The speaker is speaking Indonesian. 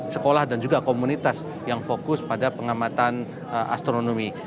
sekolah dan juga komunitas yang fokus pada pengamatan astronomi